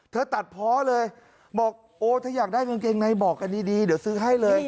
ตัดเพาะเลยบอกโอ้ถ้าอยากได้กางเกงในบอกกันดีเดี๋ยวซื้อให้เลย